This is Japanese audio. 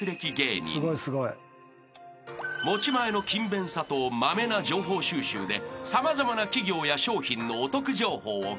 ［持ち前の勤勉さとまめな情報収集で様々な企業や商品のお得情報をフル活用］